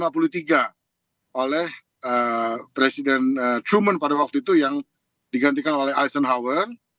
pada tahun seribu sembilan ratus lima puluh tiga oleh presiden truman pada waktu itu yang digantikan oleh eisenhower